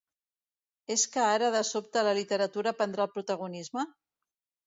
¿És que ara, de sobte, la literatura prendrà el protagonisme?